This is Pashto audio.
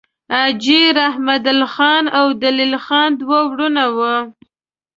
حاجي رحمدل خان او دلیل خان دوه وړونه وه.